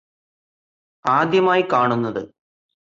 ആദ്യമായി കാണുന്നത്